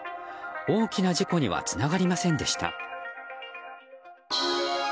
大きな事故にはつながりませんでした。